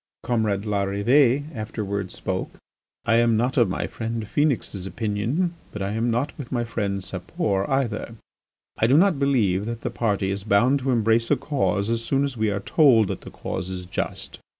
Comrade Larrivée afterwards spoke. "I am not of my friend, Phœnix's opinion but I am not with my friend Sapor either. I do not believe that the party is bound to embrace a cause as soon as we are told that that cause is just.